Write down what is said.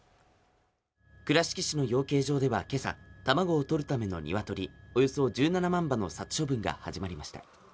倉敷市の養鶏場では今朝卵を採るためのニワトリおよそ１７万羽の殺処分が始まりました